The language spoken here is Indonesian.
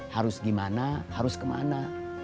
harus gimana harus kemana